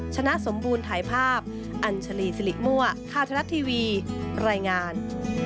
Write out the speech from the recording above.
ชนะสมบูรณ์ถ่ายภาพอัญชลีสิริมั่วข้าวทะลัดทีวีรายงาน